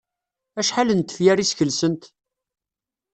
Acḥal n tefyar i skelsent?